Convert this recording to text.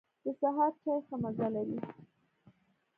د سهار چای ښه مزه لري.